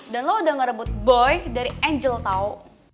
lo udah ngerebut boy dari angel tau